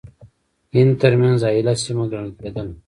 هند ترمنځ حایله سیمه ګڼله کېدله.